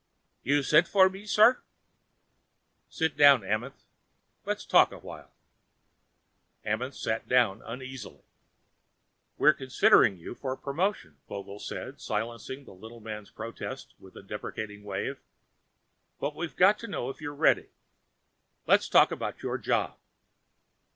"You sent for me, sir?" "Sit down, Amenth. Let's talk a while." Amenth sat down uneasily. "We're considering you for promotion," Vogel said, silencing the little man's protests with a deprecating wave. "But we've got to know if you're ready. Let's talk about your job."